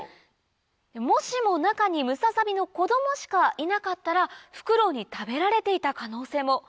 もしも中にムササビの子供しかいなかったらフクロウに食べられていた可能性も。